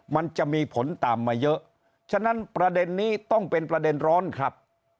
มันจะมีผลตามมาเยอะฉะนั้นประเด็นนี้ต้องเป็นประเด็นร้อนครับ